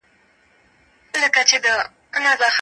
کونډو ښځو ته د کار زمینه برابره کړئ.